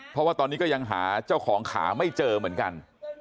เพราะว่าตอนนี้ก็ยังหาเจ้าของขาไม่เจอเหมือนกัน